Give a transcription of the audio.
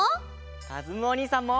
かずむおにいさんも！